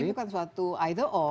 dan ini bukan suatu either or